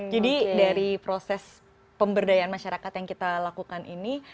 jadi dari proses pemberdayaan masyarakat yang kita lakukan ini